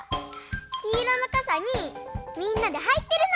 きいろのかさにみんなではいってるの。